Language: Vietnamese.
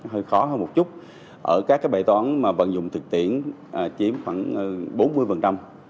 hơi khó hơn một chút ở các cái bài toán mà vận dụng thực tiễn chiếm khoảng bốn mươi